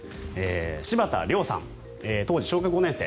柴田亮さん、当時小学５年生。